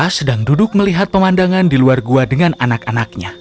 a sedang duduk melihat pemandangan di luar gua dengan anak anaknya